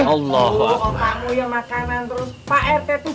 pak rt tuh bilang tadi tuh